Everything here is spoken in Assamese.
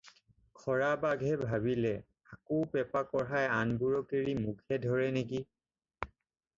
খৰা বাঘে ভাবিলে- "আকৌ পেপা-কঢ়াই আনবোৰক এৰি মোকেহে ধৰে নেকি?"